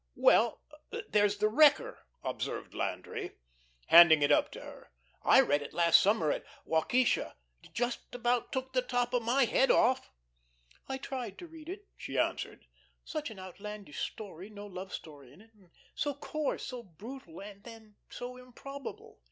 "Well, here's 'The Wrecker,'" observed Landry, handing it up to her. "I read it last summer vacation at Waukesha. Just about took the top of my head off." "I tried to read it," she answered. "Such an outlandish story, no love story in it, and so coarse, so brutal, and then so improbable.